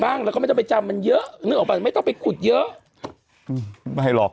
บ้างแล้วก็ไม่ต้องไปจำมันเยอะนึกออกไปไม่ต้องไปขุดเยอะไม่หลอก